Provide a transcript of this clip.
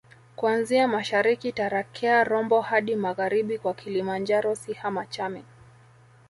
kuanzia mashariki Tarakea Rombo hadi magharibi kwa Kilimanjaro Siha Machame